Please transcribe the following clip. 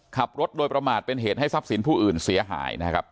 ขับรถโดยประมาทเป็นเหตุให้ทรัพย์สินผู้อื่นเสียหายนะครับ